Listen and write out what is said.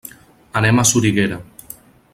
Anem a Soriguera.